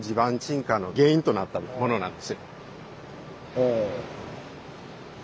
ほう。